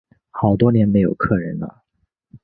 好多年没有客人了